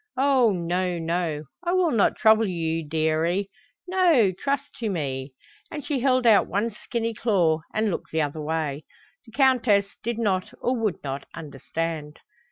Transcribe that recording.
Oh, no, no, I will not trouble you, dearie. No, trust to me;" and she held out one skinny claw, and looked the other way. The Countess did not or would not understand.